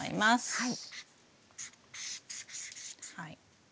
はい。